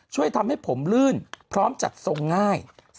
ช่วยทำให้ผมลื่นพร้อมจัดทรงง่าย